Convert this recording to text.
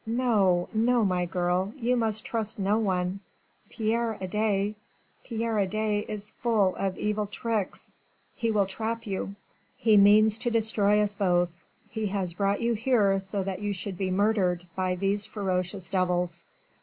No! no! my girl, you must trust no one.... Pierre Adet.... Pierre Adet is full of evil tricks he will trap you ... he means to destroy us both ... he has brought you here so that you should be murdered by these ferocious devils."